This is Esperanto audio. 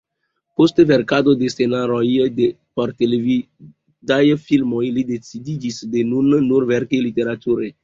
Post verkado de scenaroj por televidaj filmoj li decidiĝis de nun nur verki literature.